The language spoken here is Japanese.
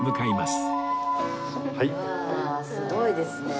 すごいですね。